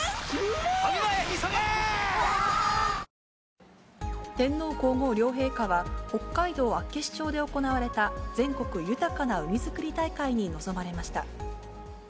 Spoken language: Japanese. わぁ天皇皇后両陛下は、北海道厚岸町で行われた全国豊かな海づくり大会に臨まれました。